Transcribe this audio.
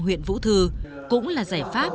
huyện vũ thư cũng là giải pháp